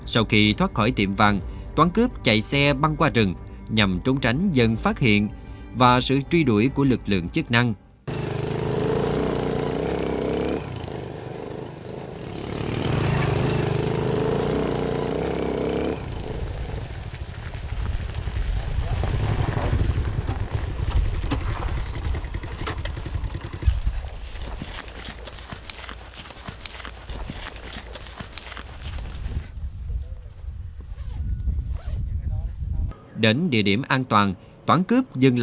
sau khi thoát khỏi tiệm vàng toán cướp chạy xe băng qua rừng nhằm trốn tránh dân phát hiện và sự truy đuổi của lực lượng chức năng